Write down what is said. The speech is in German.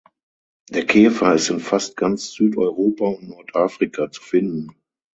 Der Käfer ist in fast ganz Südeuropa und Nordafrika zu finden.